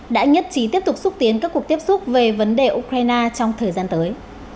đã nhất trí tiếp tục xúc tiến các cuộc tiếp xúc về vấn đề ukraine trong thời gian tới